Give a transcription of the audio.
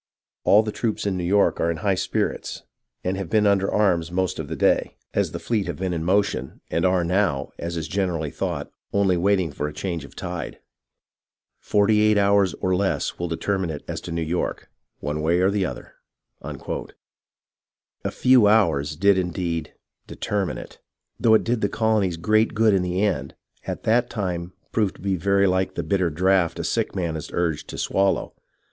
All the troops in New York are in high spirits, and have been under arms most of the day, as the fleet have been in motion, and are now, as is gener ally thought, only waiting for a change of tide. Forty eight hours or less will determine it as to New York, one way or the other." THE STRUGGLE OX LONG ISL \XD III "A few hours" did indeed "determine it," but in a manner which, though it did the colonies great good in the end, at that time proved to be very Uke the bitter draught a sick man is urged to swallow.